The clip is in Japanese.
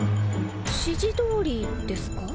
指示通りですか？